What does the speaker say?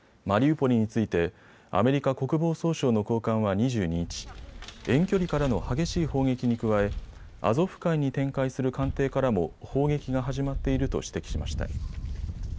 マリウポリについてアメリカ国防総省の高官は２２日、遠距離からの激しい砲撃に加えアゾフ海に展開する艦艇からも砲撃が始まっていると指摘しました。